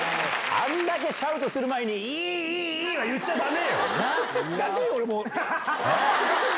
あんだけシャウトする前に、いいいいいいいいは言っちゃだめよ。